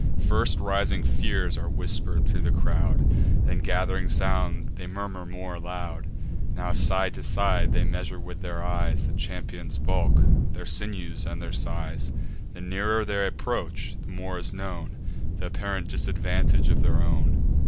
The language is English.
First rising fears are whisper'd thro' the crowd; Then, gath'ring sound, they murmur more aloud. Now, side to side, they measure with their eyes The champions' bulk, their sinews, and their size: The nearer they approach, the more is known Th' apparent disadvantage of their own.